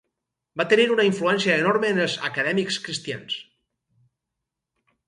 Va tenir una influència enorme en els acadèmics cristians.